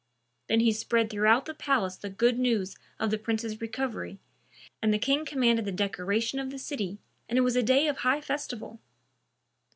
Then he spread throughout the palace the good news of the Prince's recovery and the King commanded the decoration of the city and it was a day of high festival.